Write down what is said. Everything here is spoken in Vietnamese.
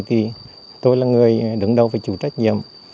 thì tôi là người đứng đầu với chủ trách nhiệm